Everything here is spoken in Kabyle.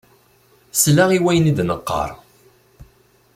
Sel-aɣ i wayen i d-neqqaṛ!